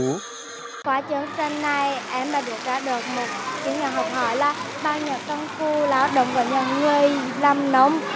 quá trường trang này em đã được ra được một kỹ nghiệm học hỏi là bao nhiêu công khu lao động của những người lâm nông